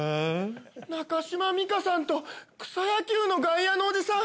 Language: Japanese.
中島美嘉さんと草野球の外野のおじさん